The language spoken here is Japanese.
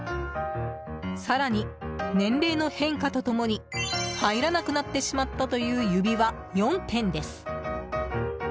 更に、年齢の変化と共に入らなくなってしまったという指輪４点です。